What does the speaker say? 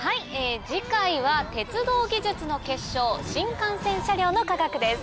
次回は鉄道技術の結晶新幹線車両の科学です。